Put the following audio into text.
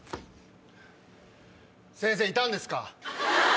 先生いたんですか？